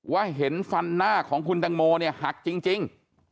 ว่าเห็นฟันหน้าของคุณตังโมเนี่ยหักจริง